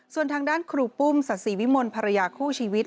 ส่วนทางด้านครูปุ้มศาสีวิมลภรรยาคู่ชีวิต